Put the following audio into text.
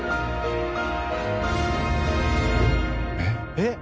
えっ？